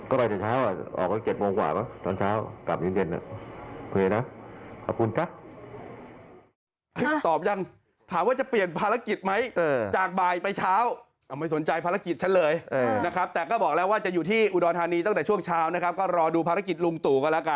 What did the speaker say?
โอเคนะขอบคุณค่ะ